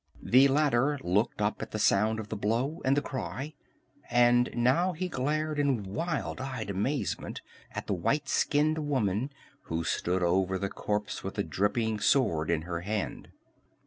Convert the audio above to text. The latter looked up at the sound of the blow and the cry, and now he glared in wild eyed amazement at the white skinned woman who stood over the corpse with a dripping sword in her hand.